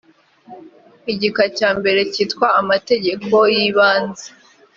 igika cya mbere cyitwa amategeko y ibanze